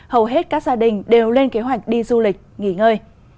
hầu hết các gia đình đều lên kế hoạch đi du lịch nghỉ ngơi